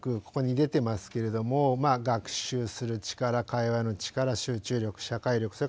ここに出てますけれども学習する力会話の力集中力社会力